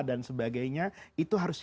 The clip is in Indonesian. dan sebagainya itu harus